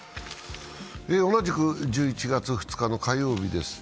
同じく１１月２日火曜日です。